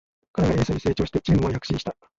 彼がエースに成長してチームは躍進した